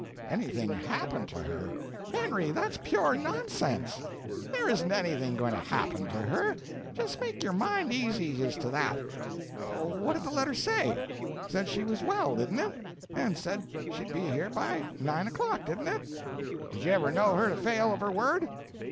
"Anything _happened _to her? Henry, that's pure nonsense. There isn't anything going to happen to her; just make your mind easy as to that. What did the letter say? Said she was well, didn't it? And said she'd be here by nine o'clock, didn't it? Did you ever know her to fail of her word?